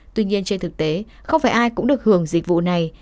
tuy nhiên trên thực tế không phải ai cũng được hưởng dịch vụ này